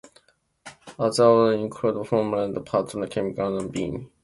Other overlays include Formica, laminated papers, ceramics, and vinyl.